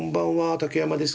竹山です。